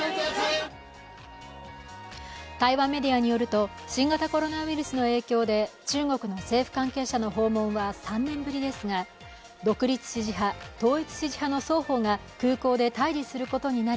台湾メディアによると新型コロナウイルスの影響で中国の政府関係者の訪問は３年ぶりですが独立支持派、統一支持派の双方が空港で対じすることになり